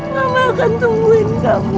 mama akan tungguin kamu